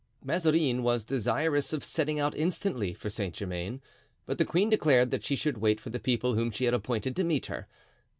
Mazarin was desirous of setting out instantly for Saint Germain, but the queen declared that she should wait for the people whom she had appointed to meet her.